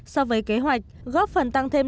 so với kế hoạch góp phần tăng thêm